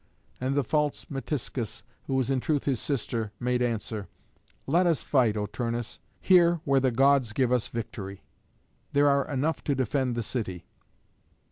And the false Metiscus, who was in truth his sister, made answer, "Let us fight, O Turnus, here where the Gods give us victory. There are enough to defend the city."